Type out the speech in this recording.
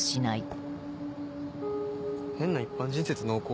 変な一般人説濃厚。